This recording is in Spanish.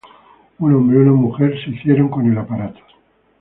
Un hombre y una mujer, se hicieron con el aparato.